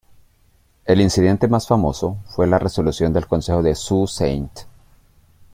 El incidente más famoso fue la resolución del consejo de Sault Ste.